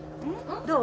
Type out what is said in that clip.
どう？